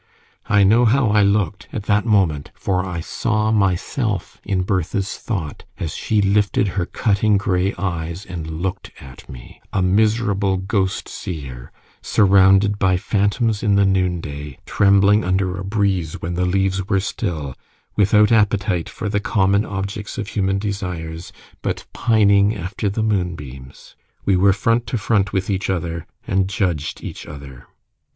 I know how I looked at that moment, for I saw myself in Bertha's thought as she lifted her cutting grey eyes, and looked at me: a miserable ghost seer, surrounded by phantoms in the noonday, trembling under a breeze when the leaves were still, without appetite for the common objects of human desires, but pining after the moon beams. We were front to front with each other, and judged each other.